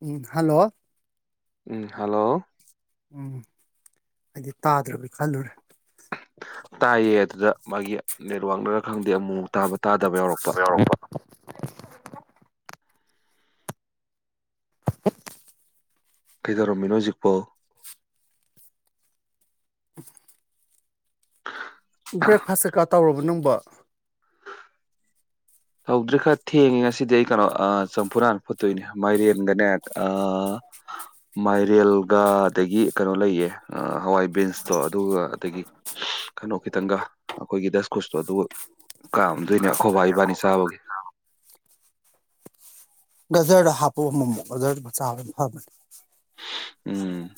ꯎꯝ hello ꯎꯝ hello ꯎꯝ ꯑꯩꯗꯤ ꯇꯥꯗ꯭ꯔꯕꯣꯢ ꯈꯜꯂꯨꯔꯦ ꯇꯥꯏꯌꯦ ꯑꯗꯨꯗ ꯃꯥꯒꯤ ꯅꯦꯠꯋꯣꯛꯅꯔ ꯈꯪꯗꯦ ꯑꯃꯨ ꯇꯥꯕ ꯇꯥꯗꯕ ꯌꯥꯎꯔꯛꯄ [unintelligible] ꯀꯩꯗꯧꯔꯝꯃꯤꯅꯣ ꯍꯧꯖꯤꯛꯄꯣ ꯕ꯭ꯔꯦꯛꯐꯥꯁ ꯀꯩꯀꯥ ꯇꯧꯔꯕꯣ ꯅꯪꯕꯣ ꯇꯧꯗ꯭ꯔꯤ ꯈꯔ ꯊꯦꯡꯉꯦ ꯉꯁꯤꯗꯤ ꯑꯩ ꯀꯩꯅꯣ ꯆꯝꯐꯨꯠ ꯍꯟꯅ ꯐꯨꯠꯇꯣꯏꯅꯦ ꯃꯥꯏꯔꯦꯟꯒꯅꯦ ꯑꯥ ꯃꯥꯏꯔꯦꯜꯒ ꯑꯗꯒꯤ ꯀꯩꯅꯣ ꯂꯩꯌꯦ ꯍꯋꯥꯏꯕꯤꯟꯁꯇꯣ ꯑꯗꯨꯒ ꯑꯗꯒꯤ ꯀꯩꯅꯣ ꯈꯤꯇꯪꯒ ꯑꯩꯈꯣꯏꯒꯤ ꯗꯁꯀꯨꯁꯇꯣ ꯑꯗꯨꯒ ꯀꯥꯝꯗꯣꯏꯅꯦ ꯑꯩꯈꯣꯢꯕꯥ ꯏꯕꯥꯅꯤ ꯆꯥꯕꯒꯤ ꯒꯖꯔꯗꯣ ꯍꯥꯞꯄꯨ ꯑꯃꯨ ꯃꯨꯛ ꯒꯖꯔꯗ ꯆꯥꯕꯗꯤ ꯐꯕꯅꯦ ꯎꯝ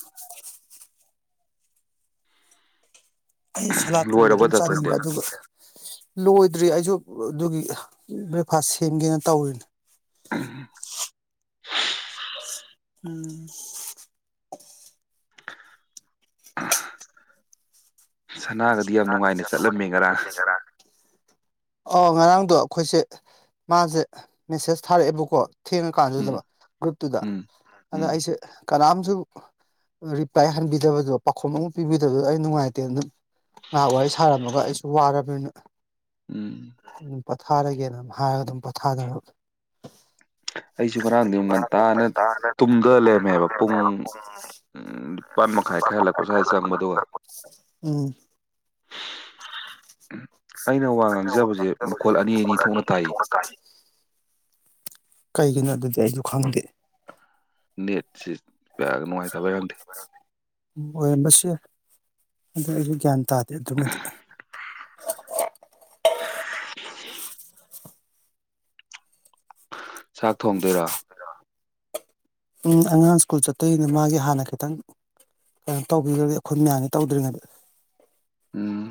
ꯑꯩ ꯁꯂꯥꯠꯀꯨꯝꯗꯤ ꯂꯣꯏꯔꯕ ꯑꯗꯨꯝ ꯆꯥꯅꯤꯡꯕ ꯇꯥꯇꯣꯟꯗꯤ ꯑꯗꯨꯒ ꯂꯣꯏꯗ꯭ꯔꯤ ꯑꯩꯁꯨ ꯑꯗꯨꯒꯤ ꯕ꯭ꯔꯦꯛꯐꯥꯁ ꯁꯦꯝꯒꯦꯅ ꯇꯧꯔꯤꯅꯦ ꯎꯝ ꯁꯅꯥꯒꯗꯤ ꯌꯥꯝ ꯅꯨꯡꯉꯥꯏꯅ ꯆꯠꯂ ꯆꯠꯂꯝ ꯃꯦ ꯉꯔꯥꯡ ꯑ ꯉꯔꯥꯡꯗꯣ ꯑꯩꯈꯣꯏꯁꯦ ꯃꯥꯁꯦ ꯃꯦꯁꯦꯁ ꯊꯥꯔꯛꯑꯦꯕꯀꯣ ꯊꯦꯡꯉ ꯎꯝ ꯀꯥꯟꯗꯨꯗꯕ ꯒ꯭ꯔꯨꯞꯇꯨꯗ ꯎꯝ ꯑꯗꯨꯗ ꯎꯝ ꯑꯩꯁꯦ ꯀꯅꯥꯝꯁꯨ ꯔꯤꯄ꯭ꯂꯥꯏ ꯍꯟꯕꯤꯗꯕꯗꯣ ꯄꯥꯎꯈꯨꯝ ꯑꯃ ꯄꯤꯕꯤꯗꯕꯗꯣ ꯑꯩ ꯅꯨꯡꯉꯥꯏꯇꯦ ꯑꯗꯨꯝ ꯉꯥꯏꯍꯥꯛ ꯋꯥꯔꯤ ꯁꯥꯔꯝꯃꯒ ꯑꯩꯁꯨ ꯨ ꯋꯥꯔꯥ ꯕꯅꯤꯅ ꯎꯝ ꯄꯣꯊꯥꯔꯒꯦꯅ ꯑꯗꯨꯝ ꯍꯥꯏꯔꯒ ꯑꯗꯨꯝ ꯄꯊꯥꯖꯔꯕ ꯑꯩꯁꯨ ꯉꯔꯥꯡꯗꯤ ꯑꯃꯨꯛ ꯉꯟꯇꯥꯅ ꯇꯨꯡꯗ ꯂꯩꯔꯃꯦꯕ ꯄꯨꯡ ꯅꯤꯄꯥꯜ ꯃꯈꯥꯏ ꯈꯔ ꯍꯜꯂꯛꯄ ꯁ꯭ꯋꯥꯏꯗ ꯆꯪꯕꯗꯨꯒ ꯎꯝ ꯑꯩꯅ ꯋꯥ ꯉꯥꯡꯖꯕꯁꯦ ꯃꯈꯣꯜ ꯑꯅꯤ ꯑꯅꯤ ꯊꯣꯛꯅ ꯇꯥꯏ ꯀꯩꯒꯤꯅꯣ ꯑꯗꯨꯗꯤ ꯑꯩꯁꯨ ꯈꯪꯗꯦ ꯅꯦꯠ ꯁꯤ ꯑꯣꯏꯔꯝꯆꯤ ꯑꯣꯢꯔꯝꯕꯁꯨ ꯌꯥꯢ ꯑꯗꯨ ꯑꯩꯁꯨ ꯒ꯭ꯌꯥꯟ ꯇꯥꯗꯦ ꯑꯗꯨꯃꯗꯤ [unintelligible] ꯆꯥꯛ ꯊꯣꯡꯗꯣꯏꯔꯣ ꯎꯝ ꯑꯉꯥꯡ ꯁ꯭ꯀꯨꯜ ꯆꯠꯇꯣꯏꯅꯦ ꯃꯥꯒꯤ ꯍꯥꯟꯅ ꯈꯤꯇꯪ ꯀꯩꯅꯣ ꯇꯧꯕꯤꯒ꯭ꯔꯒꯦ ꯑꯩꯈꯣꯏ ꯃꯌꯥꯝꯒꯤ ꯇꯧꯗ꯭ꯔꯤꯉꯩꯗ ꯎꯝ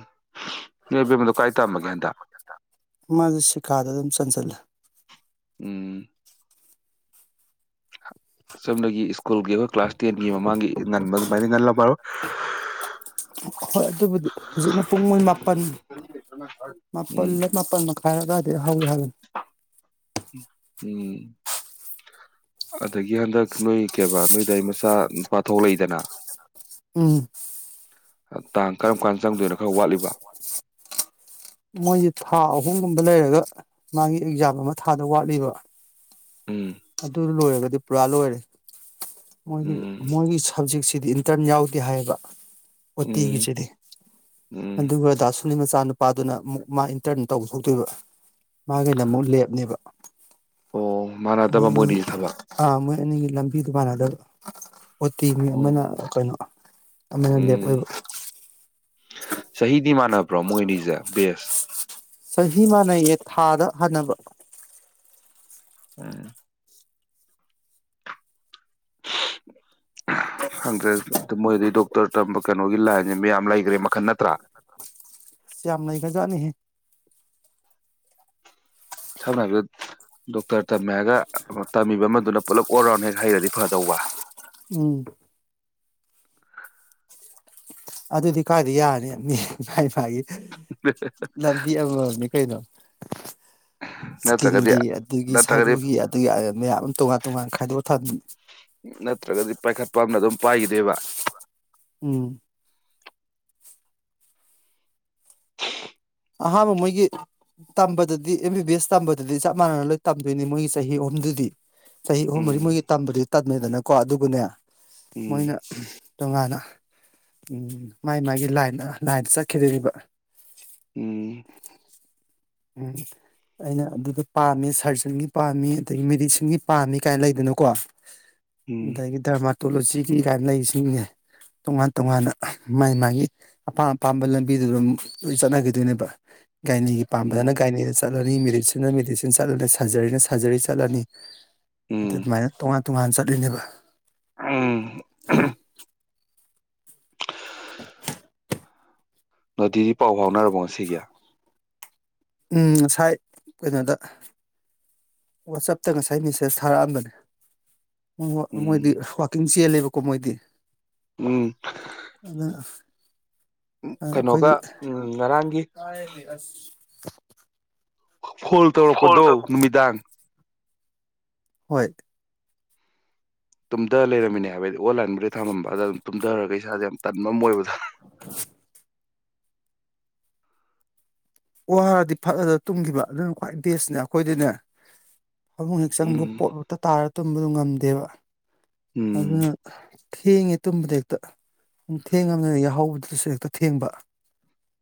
ꯅꯣꯏ ꯑꯕꯦꯝꯃꯗꯣ ꯀꯥꯏ ꯇꯝꯃꯒꯦ ꯍꯟꯗꯛ ꯃꯥꯖꯨ ꯁꯤꯀꯥꯗ ꯑꯗꯨꯝ ꯆꯟꯖꯜꯂꯦ ꯎꯝ ꯁꯣꯝꯗꯒꯤ ꯁ꯭ꯀꯨꯜꯒꯤ ꯑꯩꯈꯣꯏ ꯀ꯭ꯂꯥꯁ ꯇꯦꯟꯒꯤ ꯃꯃꯥꯡꯒꯤ ꯉꯟꯕ ꯑꯗꯨꯃꯥꯏꯅ ꯉꯜꯂꯝꯃꯔꯣꯏ ꯍꯣꯏ ꯑꯗꯨꯕꯨꯗꯤ ꯍꯧꯖꯤꯛꯅ ꯄꯨꯡ ꯃꯣꯏ ꯃꯥꯄꯜ ꯎꯝ ꯃꯥꯄꯜꯂ ꯃꯥꯄꯜ ꯃꯈꯥꯏꯔ ꯑꯗꯥꯏꯗꯩ ꯎꯝ ꯑꯗꯒꯤ ꯍꯟꯗꯛ ꯅꯣꯏ ꯀꯩꯕ ꯅꯣꯏꯗꯥꯏ ꯃꯆꯥ ꯅꯨꯄꯥ ꯊꯣꯛꯂꯛꯏꯗꯅ ꯎꯝ ꯇꯥꯡ ꯀꯔꯝ ꯀꯥꯟ ꯆꯪꯗꯣꯏꯅꯣ ꯈꯔ ꯋꯥꯠꯂꯤꯕ ꯃꯣꯏꯁꯦ ꯊꯥ ꯑꯍꯨꯝꯒꯨꯝꯕ ꯂꯩꯔꯒ ꯃꯥꯒꯤ ꯑꯦꯛꯖꯥꯝ ꯑꯃ ꯊꯥꯗꯧ ꯋꯥꯠꯂꯤꯕ ꯎꯝ ꯑꯗꯨ ꯂꯣꯏꯔꯒꯗꯤ ꯄꯨꯔꯥ ꯂꯣꯏꯔꯦ ꯃꯣꯏꯒꯤ ꯎꯝ ꯃꯣꯏꯒꯤ ꯁꯕꯖꯦꯛ ꯁꯤꯗꯤ ꯏꯟꯇꯔꯟ ꯌꯥꯎꯗꯦ ꯍꯥꯏꯌꯦꯕ ꯎꯝ ꯑꯣꯠꯇꯤꯒꯤꯖꯤꯗꯤ ꯎꯝ ꯑꯗꯨꯒ ꯗꯥꯁꯨꯅꯤ ꯃꯆꯥ ꯃꯆꯥ ꯅꯨꯨꯄꯥꯗꯨꯅ ꯑꯃꯨꯛ ꯃꯥ ꯏꯟꯇꯔꯟ ꯇꯧꯍꯧꯗꯣꯏꯕ ꯃꯥꯒꯤꯅ ꯑꯃꯨꯛ ꯂꯦꯞꯅꯦꯕ ꯑꯣ ꯃꯣꯏ ꯃꯥꯟꯅꯗꯕ ꯃꯣꯏꯅꯤꯁꯦ ꯊꯕꯛ ꯑꯥ ꯃꯣꯏ ꯑꯅꯤꯒꯤ ꯂꯝ ꯑꯗꯨ ꯃꯥꯟꯅꯗꯕ ꯑꯣ ꯇꯤ ꯅꯤ ꯑꯃꯅ ꯑꯣ ꯀꯩꯅꯣ ꯑꯃꯅ ꯂꯦꯞ ꯑꯣꯏꯕ ꯆꯍꯤ ꯃꯥꯟꯅꯕ꯭ꯔꯣ ꯃꯣꯏ ꯅꯤꯖꯦ ꯕꯦꯖ ꯆꯍꯤ ꯃꯥꯟꯅꯩꯌꯦ ꯊꯥꯗ ꯍꯟꯅꯕ ꯎꯝ ꯈꯪꯗ꯭ꯔꯦꯗ ꯑꯗꯨ ꯃꯣꯏꯗꯤꯗꯣꯛꯇꯔ ꯇꯝꯕ ꯀꯩꯅꯣꯒꯤ ꯂꯥꯏꯟꯅꯦꯕ ꯃꯌꯥꯝ ꯂꯩꯈ꯭ꯔꯦꯕ ꯃꯈꯟ ꯅꯠꯇ꯭ꯔꯥ ꯌꯥꯝ ꯂꯩꯒꯖꯥꯠꯅꯤꯍꯦ ꯁꯝꯅ ꯍꯥꯏꯕꯗ ꯗꯣꯛꯇꯔ ꯇꯝꯃꯦ ꯍꯥꯏꯒ ꯇꯝꯃꯤꯕ ꯑꯃꯗꯨꯅ ꯄꯨꯂꯞ ꯑꯣꯜ ꯔꯥꯎꯟ ꯍꯦꯛ ꯍꯩꯔꯗꯤ ꯐꯗꯧꯕ ꯎꯝ ꯑꯗꯨꯗꯤ ꯀꯥꯏꯗꯩ ꯌꯥꯔꯅꯤ ꯃꯤ ꯃꯥꯏ ꯃꯥꯒꯤ ꯂꯝꯕꯤ ꯑꯃ ꯃꯝꯅꯤ ꯀꯩꯅꯣ ꯅꯠꯇ꯭ꯔꯒꯗꯤ ꯁ꯭ꯀꯤꯟꯒꯤ ꯑꯗꯨꯒꯤ ꯅꯠꯇ꯭ꯔꯒꯗꯤ ꯁꯔꯨꯒꯤ ꯑꯗꯨꯒꯤ ꯃꯌꯥꯝ ꯑꯃ ꯇꯣꯉꯥꯟ ꯇꯣꯉꯥꯟ ꯈꯥꯏꯗꯣꯛꯑ ꯊꯝꯃꯤ ꯅꯠꯇ꯭ꯔꯒꯗꯤ ꯄꯥꯏꯈꯠꯄ ꯑꯃꯅ ꯑꯗꯨꯝ ꯄꯥꯏꯒꯤꯗꯣꯏꯕ ꯎꯝ ꯑꯍꯥꯟꯕ ꯃꯣꯏꯒꯤ ꯇꯝꯕꯗꯗꯤ ꯑꯦꯝ ꯕꯤ ꯕꯤ ꯑꯦꯁ ꯇꯝꯕꯗꯗꯤ ꯆꯞ ꯃꯥꯟꯅꯅ ꯂꯣꯏ ꯇꯝꯗꯣꯏꯅꯤ ꯃꯣꯏꯒꯤ ꯆꯍꯤ ꯑꯍꯨꯝꯗꯨꯗꯤ ꯆꯍꯤ ꯑꯍꯨꯝ ꯃꯔꯤ ꯃꯣꯏꯒꯤ ꯎꯝ ꯇꯝꯕꯗꯨꯗꯤ ꯇꯝꯃꯦꯗꯅꯀꯣ ꯑꯗꯨꯒꯅꯦ ꯃꯣꯏꯅ ꯎꯝ ꯇꯣꯉꯥꯟꯅ ꯃꯥꯏ ꯃꯥꯏꯒꯤ ꯂꯥꯏꯟꯗ ꯂꯥꯏꯟꯗ ꯆꯠꯈꯤꯗꯣꯔꯤꯕ ꯎꯝ [inaudible] ꯎꯝ ꯑꯩꯅ ꯑꯗꯨꯗ ꯄꯥꯝꯃꯦ ꯁꯥꯔꯖꯟꯒꯤ ꯄꯥꯝꯃꯤ ꯑꯗꯒꯤ ꯃꯦꯗꯤꯁꯤꯟꯒꯤ ꯄꯥꯝꯃꯤ ꯀꯥꯏꯅ ꯂꯩꯗꯅꯀꯣ ꯎꯝ ꯗꯩꯒꯤ ꯗꯔꯃꯥ ꯇꯣꯂꯣꯖꯤꯒꯤ ꯀꯥꯏꯅ ꯂꯩꯖꯤꯡꯖꯦ ꯇꯣꯉꯥꯟ ꯇꯣꯉꯥꯟꯅ ꯃꯥꯥꯏ ꯃꯥꯒꯤ ꯑꯄꯥꯝ ꯑꯄꯥꯝꯕ ꯂꯝꯕꯤꯗꯨ ꯑꯗꯨꯝ ꯂꯣꯏ ꯆꯠꯅꯒꯤꯗꯣꯏꯅꯦꯕ ꯒꯥꯏꯅꯤ ꯄꯥꯝꯅꯅ ꯎꯝ ꯒꯥꯏꯅꯤꯁ ꯆꯠꯂꯅꯤ ꯃꯦꯗꯤꯁꯤꯟꯅ ꯃꯦꯗꯤꯁꯤꯟ ꯆꯠꯂꯅꯤ ꯁꯖꯔꯤꯅ ꯁꯖꯔꯤ ꯆꯠꯂꯅꯤ ꯎꯝ ꯑꯗꯨꯃꯥꯏꯅ ꯇꯣꯉꯥꯟ ꯇꯣꯉꯥꯟ ꯆꯠꯂꯤꯅꯦꯕ ꯎꯝ [inaudible] ꯅꯣꯇꯤꯗꯤ ꯄꯥꯎ ꯐꯥꯎꯅꯔꯕꯣ ꯉꯁꯤꯒꯤ ꯎꯝ ꯉꯁꯥꯏ ꯀꯩꯅꯣꯗ ꯋꯥꯆꯞꯇ ꯉꯁꯥꯏ ꯃꯦꯁꯦꯖ ꯊꯥꯔꯛꯑꯝꯕꯅꯦ ꯃꯣ ꯃꯣꯏꯗꯤ ꯎꯝ ꯋꯥꯀꯤꯡ ꯆꯦꯜꯂꯦꯕꯀꯣ ꯃꯣꯏꯗꯤ ꯎꯝ ꯑꯗꯨ ꯀꯩꯅꯣꯒ ꯎꯝ ꯉꯔꯥꯡꯒꯤ [inaudible] ꯐꯣꯜ ꯇꯧꯔꯛꯄꯗꯣ ꯅꯨꯃꯤꯗꯥꯡ ꯍꯣꯏ ꯇꯨꯝꯗ ꯂꯩꯔꯝꯃꯤꯅꯦ ꯍꯥꯏꯕ ꯑꯩꯗꯤ ꯑꯣꯟꯂꯥꯏꯟꯕꯨꯗꯤ ꯊꯃꯝꯕ ꯑꯗ ꯑꯗꯨꯝ ꯇꯨꯝꯗꯔꯒ ꯏꯁꯥꯖꯦ ꯌꯥꯝ ꯇꯟꯕ ꯑꯃ ꯑꯣꯏꯕꯗꯣ [inaudible] ꯋꯥꯔꯗꯤ ꯐꯠ ꯍꯦꯛꯇ ꯇꯨꯝꯒꯤꯕ ꯑꯗꯨꯅ ꯈ꯭ꯋꯥꯏ ꯕꯦꯁꯅꯦ ꯑꯈꯣꯏꯗꯤꯅꯦ ꯐꯃꯨꯡ ꯍꯦꯛ ꯆꯪꯕ ꯎꯝ ꯄꯣꯞ ꯍꯦꯛꯇ ꯇꯥꯔ ꯇꯨꯝꯕꯗꯨ ꯉꯝꯗꯦꯕ ꯑꯗꯨꯅ ꯎꯝ ꯊꯦꯡꯉꯦ ꯇꯨꯝꯕꯗ ꯍꯦꯛꯇ ꯊꯦꯡꯉꯝꯅꯤꯅ ꯌꯥꯍꯧꯕꯗꯨꯖꯨ ꯍꯦꯛꯇ ꯊꯦꯡꯕ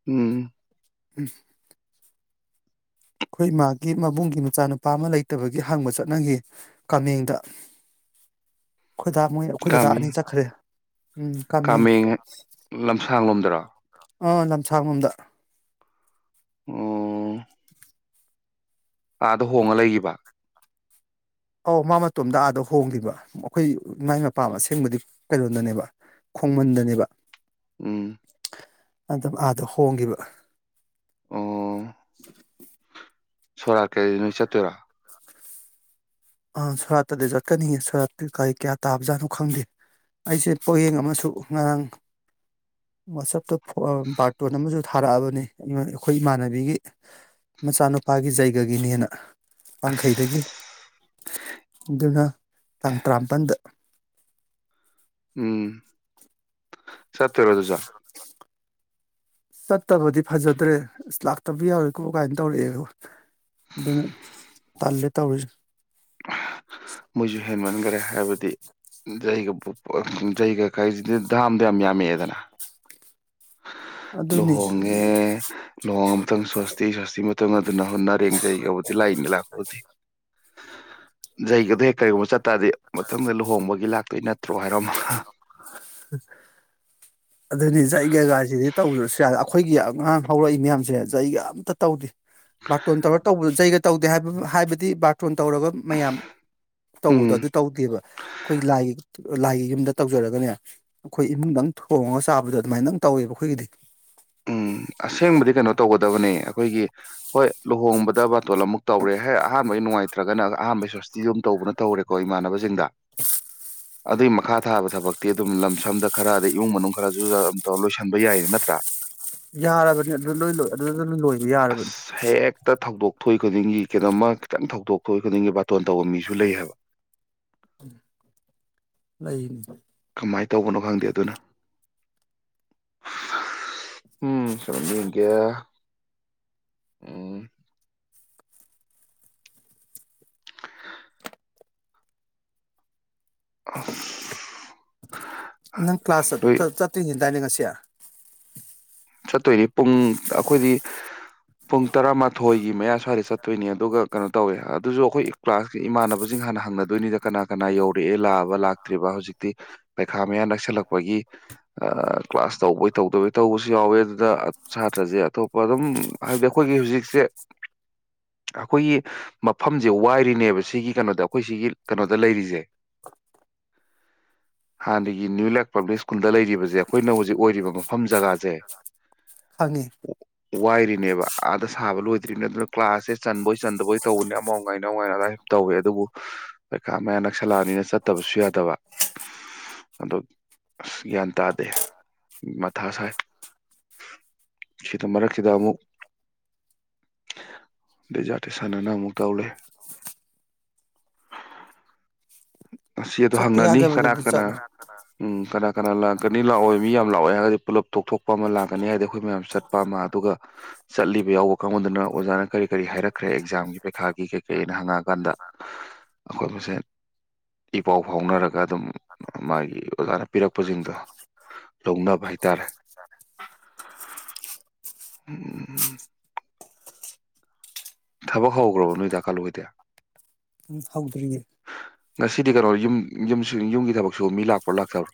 ꯎꯝ ꯎꯝ ꯑꯈꯣꯏ ꯃꯥꯒꯤ ꯃꯕꯨꯡꯒꯤ ꯃꯆꯥꯅꯨꯄꯥ ꯑꯃ ꯂꯩꯇꯕꯒꯤ ꯍꯪꯕ ꯆꯠꯅꯒꯤ ꯀꯥꯃꯦꯡꯗ ꯑꯩꯈꯣꯏꯗ ꯃꯣꯏ ꯑꯩꯈꯣꯏꯗꯗꯥ ꯀꯥꯃꯦ ꯑꯅꯤ ꯆꯠꯈ꯭ꯔꯦ ꯀꯥꯃꯦꯡ ꯂꯝꯁꯥꯡꯂꯣꯝꯗꯔꯣ ꯂꯝꯁꯥꯡ ꯂꯣꯝꯗ ꯑꯣ ꯑꯥꯗꯥ ꯍꯣꯡꯉ ꯂꯩꯒꯤꯕ ꯑꯧ ꯃꯥ ꯃꯇꯣꯝꯗ ꯑꯥꯗ ꯍꯣꯡꯒꯤꯕ ꯑꯩꯈꯣꯏ ꯏꯃꯥꯏ ꯃꯄꯥꯝ ꯑꯁꯦꯡꯕꯗꯤ ꯀꯩꯅꯣꯗꯅꯦꯕ ꯈꯣꯡꯃꯟꯗꯅꯦꯕ ꯎꯝ ꯑꯗꯨ ꯑꯥꯗ ꯍꯣꯡꯒꯤꯕ [inaudible] ꯑꯣ ꯁꯣꯔꯥꯠ ꯀꯗꯤ ꯅꯣꯏ ꯆꯠꯇꯣꯏꯔ ꯑ ꯁꯣꯔꯥꯠꯇꯗꯤ ꯆꯠꯀꯅꯤꯌꯦ ꯁꯣꯔꯥꯠꯇ ꯀꯔꯤ ꯀꯌꯥ ꯇꯥꯕꯖꯥꯠꯅꯣ ꯈꯪꯗꯦ ꯑꯩꯁꯦ ꯄꯣꯌꯦꯡ ꯑꯃꯁꯨ ꯉꯔꯥꯡ ꯋꯥꯆꯞꯇ ꯕꯥꯔꯇꯣꯟ ꯑꯃꯁꯨ ꯊꯥꯔꯛꯑꯕꯅꯤ ꯑꯩꯈꯣꯏ ꯏꯃꯥꯟꯅꯕꯤꯒꯤ ꯃꯆꯥꯅꯨꯄꯥꯒꯤ ꯖꯩꯒꯒꯤꯅꯦꯅ ꯋꯡꯈꯩꯗꯒꯤ ꯑꯗꯨꯅ ꯇꯥꯡ ꯇꯔꯥꯃꯄꯜꯗ ꯎꯝ ꯆꯇꯣꯏꯔꯣ ꯑꯗꯨꯖꯨ ꯆꯠꯇꯕꯗꯤ ꯐꯖꯗ꯭ꯔꯦ ꯑꯁ ꯂꯥꯛꯇꯕꯗꯤ ꯌꯥꯎꯔꯣꯏꯀꯣ ꯀꯥꯏꯅ ꯇꯧꯔꯛꯑꯦꯕ ꯑꯗꯨꯅ ꯇꯜꯂꯦ ꯇꯧꯔꯤꯁꯦ ꯃꯣꯏꯖꯨ ꯍꯦꯟꯃꯟꯈꯔꯦ ꯍꯥꯏꯕꯗꯤ ꯖꯩꯒ ꯀꯥꯏꯁꯤ ꯗꯥꯝꯗꯣ ꯌꯥꯝ ꯌꯥꯝꯃꯛꯑꯦꯗꯅ ꯑꯗꯨꯅꯤ ꯂꯨꯍꯣꯡꯉꯦ ꯂꯨꯍꯣꯡꯉ ꯃꯇꯨꯡ ꯁꯣꯁꯇꯤ ꯁꯣꯁꯇꯤ ꯃꯇꯨꯡ ꯑꯗꯨ ꯅꯍꯨꯠ ꯅꯔꯦꯡ ꯖꯩꯒꯕꯨꯗꯤ ꯂꯥꯏꯅꯦ ꯂꯥꯛꯄꯕꯨꯗꯤ ꯖꯩꯒ ꯂꯥꯛꯇꯣꯏ ꯅꯠꯇ꯭ꯔꯣ ꯍꯥꯏꯔꯝꯃꯣ ꯑꯗꯨꯅꯤꯁꯦ ꯖꯩꯒ ꯒꯥꯏꯁꯤꯗꯤ ꯇꯧꯗ꯭ꯔꯁꯨ ꯌꯥꯔꯦ ꯑꯩꯈꯣꯏꯒꯤ ꯑꯉꯥꯡ ꯍꯧꯔꯛꯏ ꯃꯌꯥꯝꯁꯦ ꯖꯩꯒ ꯑꯝꯇ ꯇꯧꯗꯦ ꯕꯥꯇꯣꯟ ꯇꯧꯔ ꯇꯧꯕꯗꯨ ꯖꯩꯒ ꯇꯧꯗꯦ ꯍꯥꯏꯕ ꯍꯥꯏꯕꯗꯤ ꯕꯥ ꯭ꯇꯔꯣꯟ ꯇꯧꯔꯕ ꯃꯌꯥꯝ ꯇꯧꯕꯗꯣ ꯎꯝ ꯑꯗꯨ ꯇꯧꯗꯦꯕ ꯑꯩꯈꯣꯏꯒꯤ ꯂꯥꯏꯒꯤ ꯂꯥꯏꯒꯤ ꯌꯨꯝꯗ ꯇꯧꯖꯔꯒꯅꯦ ꯑꯩꯈꯣꯏ ꯏꯃꯨꯡꯗꯪ ꯊꯣꯡꯉꯒ ꯆꯥꯕꯗꯣ ꯑꯗꯨꯃꯥꯏꯅꯗꯪ ꯇꯧꯋꯦꯕ ꯑꯩꯈꯣꯏꯒꯤꯗꯤ ꯎꯝ ꯑꯁꯦꯡꯕꯗꯤ ꯀꯩꯅꯣ ꯇꯧꯒꯗꯕꯅꯦ ꯑꯩꯈꯣꯏꯒꯤ ꯍꯣꯏ ꯂꯨꯍꯣꯡꯕꯗ ꯕꯇꯣꯜ ꯑꯃꯨꯛ ꯇꯧꯔꯦ ꯑꯍꯥꯟꯕꯩ ꯅꯨꯡꯉꯥꯏ ꯅꯠꯇ꯭ꯔꯒꯅꯒ ꯑꯍꯥꯟꯕꯒꯤ ꯁꯣꯁꯇꯤꯁꯨ ꯑꯗꯨꯝ ꯇꯧꯕꯅ ꯇꯧꯔꯦꯀꯣ ꯏꯃꯥꯟꯅꯕꯁꯤꯡꯗ ꯑꯗꯨꯒꯤ ꯃꯈꯥ ꯊꯥꯕ ꯊꯕꯛꯇꯤ ꯑꯗꯨꯝ ꯂꯝ ꯁꯝꯗ ꯈꯔ ꯑꯗꯩ ꯏꯃꯨꯡ ꯃꯅꯨꯡ ꯈꯔꯁꯨ ꯑꯗꯨꯝ ꯇꯧ ꯂꯣꯏꯁꯤꯟꯕ ꯌꯥꯏꯌꯦ ꯅꯠꯇ꯭ꯔꯥ ꯌꯥꯔꯕꯅꯤ ꯑꯗꯨ ꯂꯣꯏ ꯂꯣꯏ ꯑꯗꯨ ꯂꯣꯏ ꯂꯣꯏꯕ ꯌꯥꯔꯕꯅꯤ ꯑꯁ ꯍꯦꯛꯇ ꯊꯧꯗꯣꯛ ꯊꯣꯛꯏ ꯈꯨꯗꯤꯡꯒꯤ ꯀꯩꯅꯣꯝꯃ ꯈꯤꯇꯪ ꯊꯧꯗꯣꯛ ꯊꯣꯛꯏ ꯈꯨꯗꯤꯡꯒꯤ ꯕꯥꯇꯣꯟ ꯇꯧꯕ ꯃꯤꯁꯨ ꯂꯩ ꯍꯥꯏꯕ ꯂꯩꯅꯤ ꯀꯃꯥꯏꯅ ꯇꯧꯕꯅꯣ ꯈꯪꯗꯦ ꯑꯗꯨꯅ ꯎꯝ ꯆꯨꯝꯃꯤ ꯒ ꯎꯝ ꯑꯁ ꯅꯪ ꯀ꯭ꯂꯥꯁ ꯆꯠ ꯅꯣꯏ ꯆꯠ ꯆꯠꯇꯣꯏꯅꯤ ꯗꯥꯏꯅꯦ ꯉꯁꯤ ꯆꯠꯇꯣꯏꯅꯤ ꯄꯨꯡ ꯑꯩꯈꯣꯏꯗꯤ ꯄꯨꯡ ꯇꯔꯥꯃꯥꯊꯣꯏꯒꯤ ꯃꯌꯥ ꯁ꯭ꯋꯥꯏꯗ ꯆꯠꯇꯣꯏꯅꯤ ꯑꯗꯨꯒ ꯀꯩꯅꯣ ꯇꯧꯋꯦ ꯑꯗꯨꯁꯨ ꯑꯩꯈꯣꯏ ꯀ꯭ꯂꯥꯁꯀꯤ ꯏꯃꯥꯟꯅꯕꯁꯤꯡ ꯍꯥꯟꯅ ꯍꯪꯅꯗꯣꯏꯅꯤꯗ ꯀꯅꯥ ꯀꯅꯥ ꯌꯧꯔꯛꯑꯦ ꯂꯥꯛꯑꯕ ꯂꯥꯛꯇ꯭ꯔꯤꯕ ꯍꯧꯖꯤꯛꯇꯤ ꯄꯩꯈꯥ ꯃꯌꯥ ꯅꯛꯁꯜꯂꯛꯄꯒꯤ ꯀ꯭ꯂꯥꯁ ꯇꯧꯕꯩ ꯇꯧꯗꯕꯩ ꯇꯧꯕꯁꯨ ꯨ ꯌꯥꯎꯋꯦ ꯑꯗꯨꯗ ꯁꯥꯇ꯭ꯔꯁꯦ ꯑꯇꯣꯞꯄ ꯑꯗꯨꯝ ꯍꯥꯏꯕꯗꯤ ꯑꯩꯈꯣꯏꯒꯤ ꯍꯧꯖꯤꯛꯁꯦ ꯑꯩꯈꯣꯏꯒꯤ ꯃꯐꯝꯁꯦ ꯋꯥꯏꯔꯤꯅꯦꯕ ꯁꯤꯒꯤ ꯀꯩꯅꯣꯗ ꯑꯩꯈꯣꯏ ꯁꯤꯒꯤ ꯀꯩꯅꯣꯗ ꯂꯩꯔꯤꯁꯦ ꯍꯥꯟꯅꯒꯤ ꯅ꯭ꯌꯨ ꯌꯥꯔ ꯄꯥꯕ꯭ꯂꯤꯛ ꯁ꯭ꯀꯨꯜꯗ ꯂꯩꯔꯤꯕꯁꯦ ꯑꯩꯈꯣꯏꯅ ꯍꯧꯖꯤꯛ ꯑꯣꯏꯔꯤꯕ ꯃꯐꯝ ꯖꯒꯥꯁꯦ ꯈꯪꯉꯦ ꯋꯥꯏꯔꯤꯅꯦꯕ ꯑꯥꯗ ꯁꯥꯕ ꯂꯣꯏꯗ꯭ꯔꯤꯕꯅꯦ ꯑꯗꯨꯅ ꯀ꯭ꯂꯥꯁꯁꯦ ꯆꯟꯕꯣꯏ ꯆꯟꯗꯕꯣꯏ ꯇꯧꯕꯅꯦ ꯑꯃꯥꯎ ꯉꯥꯏꯅ ꯑꯃ ꯉꯥꯏꯅ ꯑꯗꯨꯗꯥ ꯇꯧꯋꯦ ꯑꯗꯨꯕꯨ ꯄꯩꯈꯥ ꯃꯌꯥ ꯅꯛꯁꯂꯥꯅꯤꯅ ꯆꯠꯇꯕꯁꯨ ꯌꯥꯗꯕ ꯑꯗꯣ ꯑꯁ ꯒ꯭ꯌꯥꯟ ꯇꯥꯗꯦ ꯃꯊꯥ ꯁꯥꯏ ꯁꯤꯗ ꯃꯔꯛꯁꯤꯗ ꯑꯃꯨꯛ ꯗꯤꯖꯥꯔꯇꯦꯁꯟꯅ ꯑꯃꯨꯛ ꯇꯧ ꯂꯩ ꯑꯁꯤ ꯑꯗꯨ ꯆꯠꯇ ꯍꯪꯅꯅꯤ ꯀꯅꯥ ꯌꯥꯗꯕꯗꯨꯗꯤ ꯀꯅꯥ ꯆꯠꯂꯣ ꯎꯝ ꯀꯅꯥ ꯀꯅꯥ ꯂꯥꯛꯀꯅꯤ ꯂꯥꯛꯑꯣꯏ ꯃꯤ ꯌꯥꯝ ꯂꯥꯛꯑꯣꯏ ꯍꯥꯏꯔꯒꯗꯤ ꯄꯨꯂꯞ ꯇꯣꯛꯊꯣꯛꯄ ꯑꯃ ꯂꯥꯛꯀꯅꯤ ꯍꯥꯏꯔꯗꯤ ꯑꯩꯈꯣꯏ ꯃꯌꯥꯝ ꯆꯠꯄ ꯑꯃ ꯑꯗꯨꯒ ꯆꯠꯂꯤꯕ ꯌꯥꯎꯕ ꯀꯥꯡꯕꯨꯗꯨꯅ ꯑꯣꯖꯥꯅ ꯀꯔꯤ ꯀꯔꯤ ꯍꯥꯏꯔꯛꯈ꯭ꯔꯦ ꯑꯦꯛꯖꯥꯝꯒꯤ ꯄꯩꯈꯥꯒꯤ ꯀꯩ ꯀꯩꯅ ꯍꯪꯉꯛꯑꯀꯥꯟꯗ ꯑꯩꯈꯣꯏ ꯃꯁꯦꯟ ꯏ ꯄꯥꯎ ꯐꯥꯎꯅꯔꯒ ꯑꯗꯨꯝ ꯃꯥꯒꯤ ꯑꯣꯖꯥꯅ ꯄꯤꯔꯛꯄꯁꯤꯡꯗꯣ ꯂꯧꯅꯕ ꯍꯥꯏꯇꯥꯔꯦ ꯎꯝ ꯊꯕꯛ ꯍꯧꯈ꯭ꯔꯕꯣ ꯅꯣꯏꯗꯥ ꯀꯥꯂꯨ ꯍꯣꯏꯗꯤ ꯎꯝ ꯍꯧꯗ꯭ꯔꯤꯌꯦ ꯉꯁꯤꯗꯤ ꯀꯩꯅꯣ ꯌꯨꯝ ꯌꯨꯝꯁꯨ ꯌꯨꯝꯒꯤ ꯊꯕꯛꯁꯨꯕ ꯃꯤ ꯂꯥꯛꯄ꯭ꯔꯥ ꯂꯥꯛꯇꯕ꯭ꯔꯣ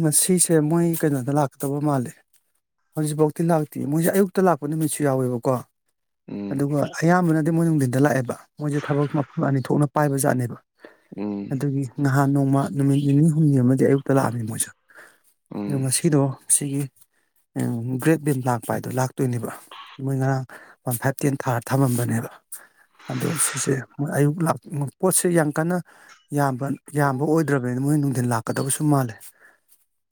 ꯉꯁꯤꯁꯦ ꯃꯣꯏ ꯀꯩꯅꯣꯗ ꯂꯥꯛꯀꯗꯕ ꯃꯥꯜꯂꯦ ꯍꯧꯖꯤꯛꯐꯥꯎꯗꯤ ꯂꯥꯛꯇꯦ ꯃꯣꯏꯁꯦ ꯑꯌꯨꯛꯇ ꯂꯥꯛꯄ ꯅꯨꯃꯤꯠꯁꯨ ꯌꯥꯎꯋꯦꯕꯀꯣ ꯎꯝ ꯑꯗꯨꯒ ꯑꯌꯥꯝꯕꯅ ꯃꯣꯏ ꯅꯨꯡꯊꯤꯟꯗ ꯂꯥꯛꯑꯦꯕ ꯃꯣꯏꯁꯦ ꯊꯕꯛ ꯃꯐꯝ ꯑꯅꯤ ꯊꯣꯛꯅ ꯄꯥꯏꯕꯖꯥꯠꯅꯦꯕ ꯎꯝ ꯑꯗꯨꯒꯤ ꯉꯥ ꯅꯍꯥꯟ ꯅꯣꯡꯃ ꯅꯨꯃꯤꯠ ꯅꯤꯅꯤ ꯍꯨꯝꯅꯤ ꯑꯃꯗꯤ ꯑꯌꯨꯛꯇ ꯂꯥꯛꯑꯃꯤ ꯃꯣꯏꯖꯨ ꯑꯗꯣ ꯎꯝ ꯉꯁꯤꯗꯣ ꯁꯤꯒꯤ ꯑꯪ ꯒ꯭ꯔꯦꯠ ꯕꯤꯟ ꯂꯥꯛꯄ ꯍꯥꯏꯗꯣ ꯂꯥꯛꯇꯣꯏꯅꯦꯕ ꯃꯣꯏ ꯉꯔꯥꯡ ꯋꯥꯟ ꯐꯥꯏꯚ ꯇꯦꯟ ꯊꯥꯔ ꯊꯝꯃꯝꯕꯅꯦꯕ ꯑꯗꯣ ꯁꯤꯁꯦ ꯃꯣꯏ ꯑꯌꯨꯛ ꯂꯥꯛ ꯑ ꯄꯣꯠꯁꯦ ꯌꯥꯝ ꯀꯟꯅ ꯌꯥꯝꯕ ꯌꯥꯝꯕ ꯑꯣꯏꯗ꯭ꯔꯕꯅꯤꯅ ꯃꯣꯏ ꯅꯨꯡꯊꯤꯟ ꯂꯥꯛꯀꯗꯕꯁꯨ ꯃꯥꯜꯂꯦ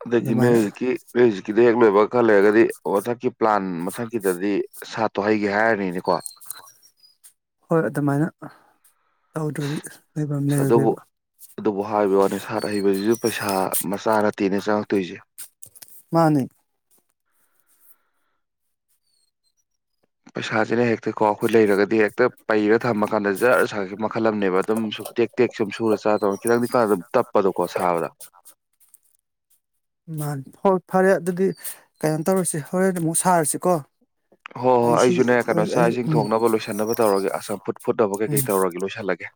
ꯑꯗꯒꯤ ꯅꯣꯏ ꯑꯗꯨꯃꯥꯏꯅ ꯍꯧꯖꯤꯛꯀꯤ ꯅꯣꯏ ꯅꯣꯏꯍꯧꯖꯤꯛꯀꯤꯗꯨ ꯍꯦꯛ ꯂꯣꯏꯕꯒ ꯈꯔ ꯂꯩꯔꯒꯗꯤ ꯃꯊꯛꯀꯤ ꯄ꯭ꯂꯥꯟ [unintelligible] ꯁꯥꯠꯇꯣ ꯍꯩꯒꯦꯍꯥꯏ ꯍꯣꯏ ꯑꯗꯨꯃꯥꯏꯅ ꯑ ꯑꯗꯨꯕꯨ ꯑꯗꯨꯕꯨ ꯍꯥꯏꯕ ꯋꯥꯅꯤ ꯁꯥꯠ ꯍꯩꯕꯖꯤꯖꯨ ꯄꯩꯁꯥ ꯃꯁ ꯃꯆꯥ ꯅꯠꯇꯦꯅꯦ ꯆꯪꯉꯛꯇꯣꯏꯖꯦ ꯃꯥꯅꯤ ꯄꯩꯁꯥꯁꯤꯅ ꯍꯦꯛꯇꯀꯣ ꯑꯩꯈꯣꯏ ꯂꯩꯔꯒꯗꯤ ꯍꯦꯛꯇ ꯄꯩꯔ ꯊꯝꯃ ꯀꯥꯟꯗ ꯖꯥꯔ ꯁꯥꯒꯤꯕꯅ ꯃꯈꯜ ꯑꯃꯅꯦꯕ ꯑꯗꯨꯝ ꯁꯨꯝ ꯇꯦꯛ ꯇꯦꯛ ꯁꯨꯝ ꯁꯨꯔ ꯆꯥ ꯇꯧꯔ ꯈꯤꯇꯪꯗꯤ ꯈꯔ ꯑꯗꯨꯝ ꯇꯞꯄꯗꯣꯀꯣ ꯁꯥꯕꯗ ꯃꯥꯅꯤ ꯍꯣꯏ ꯐꯔꯦ ꯑꯗꯨꯗꯤ ꯀꯩꯅꯣ ꯇꯧꯔꯁꯤ ꯍꯣꯔꯦꯟ ꯑꯃꯨꯛ ꯁꯥꯔꯁꯤꯀꯣ ꯍꯣꯏ ꯍꯣꯏ ꯑꯩ ꯁꯤ ꯑꯩꯖꯨꯅꯦ ꯀꯩꯅꯣ ꯑꯩ ꯆꯥꯛ ꯑꯩ ꯏꯁꯤꯡ ꯎꯝ ꯊꯣꯡꯅꯕ ꯂꯣꯏꯁꯤꯟꯅꯕ ꯇꯧꯔꯒꯦ ꯑꯁ ꯆꯝꯐꯨꯠ ꯐꯨꯠꯅꯕ ꯎꯝ ꯀꯩꯀꯩ ꯇꯧꯔꯒꯦ ꯂꯣꯏꯁꯜꯂꯒꯦ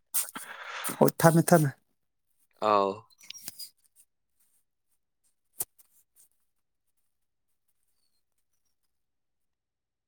ꯍꯣꯏ ꯊꯝꯃꯦ ꯊꯝꯃꯦ ꯑꯧ